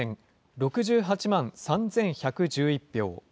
６８万３１１１票。